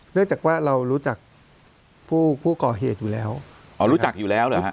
จากว่าเรารู้จักผู้ผู้ก่อเหตุอยู่แล้วอ๋อรู้จักอยู่แล้วเหรอฮะ